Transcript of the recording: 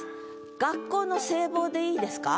学校の制帽でいいですか？